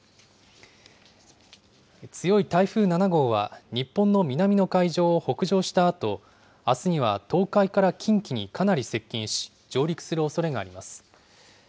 強い台風７号は、日本の南の海上を北上したあと、あすには東海から近畿にかなり接近し、上陸するおそれがあります。